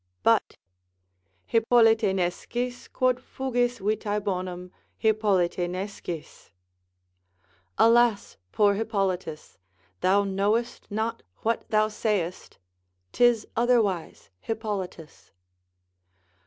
But, Hippolite nescis quod fugis vitae bonum, Hippolite nescis——— alas, poor Hippolitus, thou knowest not what thou sayest, 'tis otherwise, Hippolitus.